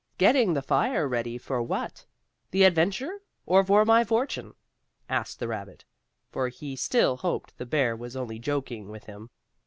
"Getting the fire ready for what; the adventure, or for my fortune?" asked the rabbit, for he still hoped the bear was only joking with him.